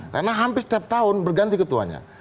karena hampir setiap tahun berganti ketuanya